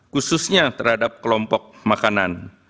khususnya terhadap kelompok makanan